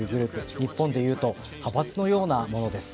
日本でいうと派閥のようなものです。